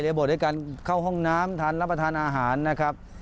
บทด้วยการเข้าห้องน้ำทันรับประทานอาหารนะครับ